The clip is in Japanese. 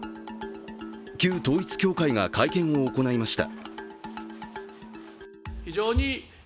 旧統一教会が会見を行いました。